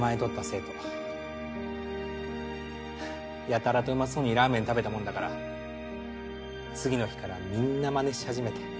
やたらとうまそうにラーメン食べたもんだから次の日からみんなまねし始めて。